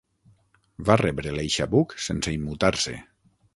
Va rebre l'eixabuc sense immutar-se.